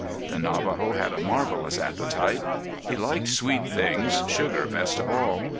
The Navajo had a marvelous appetite. He liked sweet things, sugar best of all.